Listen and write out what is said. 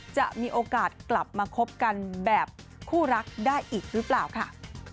จะมีโอกาสกลับมาคบกันแบบคู่รักได้อีกหรือเปล่าค่ะ